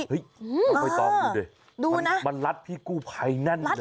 เฮ้ยเอาไปต่อมันดูด้วยมันรัดพี่กู้ภัยนั่นดูนะ